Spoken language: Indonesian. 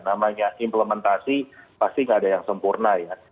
namanya implementasi pasti nggak ada yang sempurna ya